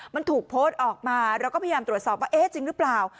มันถูกโพสต์ออกมาเราก็พยายามตรวจสอบว่าเอ๊ะจริงหรือเปล่า